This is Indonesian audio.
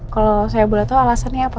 kalau saya boleh tahu alasannya apa